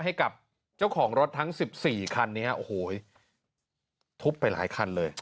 ให้กับเจ้าของรถทั้ง๑๔คันนี้โอ้โหทุบไปหลายคันเลย